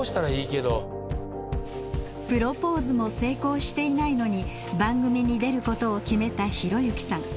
プロポーズも成功していないのに番組に出ることを決めた宏幸さん。